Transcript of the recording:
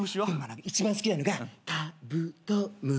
一番好きなのがカ・ブ・ト・ム・シ。